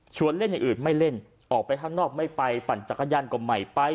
เล่นอย่างอื่นไม่เล่นออกไปข้างนอกไม่ไปปั่นจักรยานก็ไม่ไป